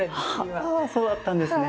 はあそうだったんですね！